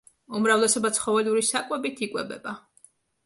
უმრავლესობა ცხოველური საკვებით იკვებება.